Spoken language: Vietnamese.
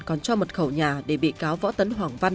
còn cho mật khẩu nhà để bị cáo võ tấn hoàng văn